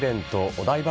お台場